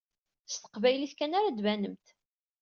S teqbaylit kan ara ad tbanemt.